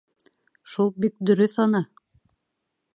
Шул бик дөрөҫ ана.